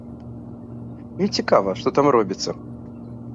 Ёй цікава, што там робіцца.